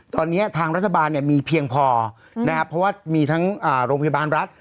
ตอนนี้ทางรัฐบาลเนี่ยมีเพียงพอนะครับเพราะว่ามีทั้งโรงพยาบาลรัฐ